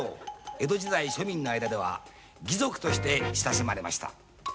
江戸時代庶民の間では義賊として親しまれました。